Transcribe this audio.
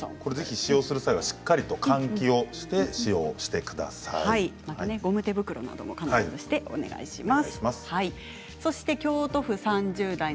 使用する際はしっかり換気してゴム手袋なども必ずしてお願いします。